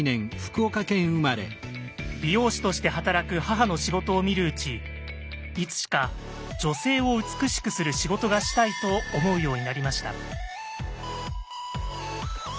美容師として働く母の仕事を見るうちいつしか「女性を美しくする仕事がしたい」と思うようになりました。